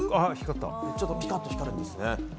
ちょっと、ぴかっと光るんですね。